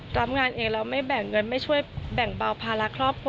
รับงานเองแล้วไม่แบ่งเงินไม่ช่วยแบ่งเบาภาระครอบครัว